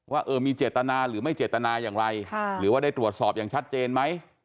ว่ามีเจตนาหรือไม่เจตนาอย่างไรหรือว่าได้ตรวจสอบอย่างชัดเจนไหม